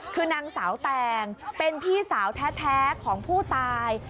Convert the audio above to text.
คือนางสาวแตงเป็นพี่สาวแท้ของผู้ตาย